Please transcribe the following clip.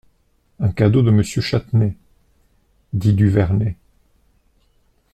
Un cadeau de Monsieur Châtenay, dit Duvernet.